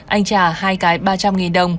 anh trả hai cái ba trăm linh đồng